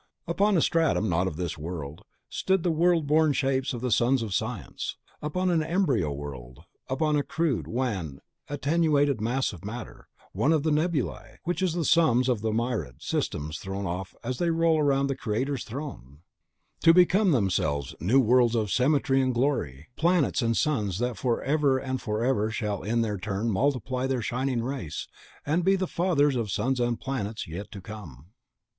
Upon a stratum, not of this world, stood the world born shapes of the sons of Science, upon an embryo world, upon a crude, wan, attenuated mass of matter, one of the Nebulae, which the suns of the myriad systems throw off as they roll round the Creator's throne*, to become themselves new worlds of symmetry and glory, planets and suns that forever and forever shall in their turn multiply their shining race, and be the fathers of suns and planets yet to come.